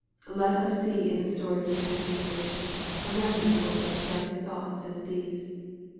Let us see in the story of the transfiguration, a remedy for such doubting thoughts as these.